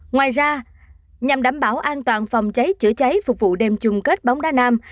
ngoài ra nhằm đảm bảo an toàn phòng cháy chữa cháy phục vụ đêm chung kết bóng đá nam